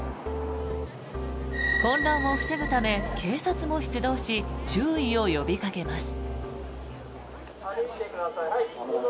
混乱を防ぐため警察も出動し注意を呼びかけます。